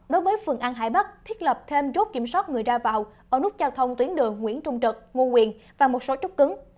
đối với phường an hải bắc thiết lập thêm chốt kiểm soát người ra vào ở nút giao thông tuyến đường nguyễn trung trực ngô quyền và một số trúc cứng